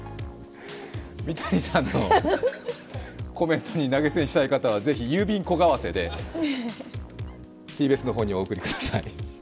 三谷さんのコメントに投げ銭したい方は、ぜひ郵便小為替でＴＢＳの方にお送りください。